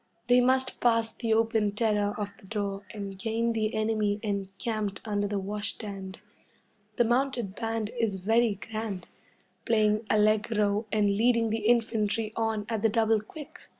They must pass the open terror of the door and gain the enemy encamped under the wash stand. The mounted band is very grand, playing allegro and leading the infantry on at the double quick.